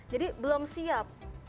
jadi belum siap